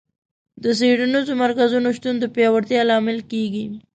د څېړنیزو مرکزونو شتون د پیاوړتیا لامل کیږي.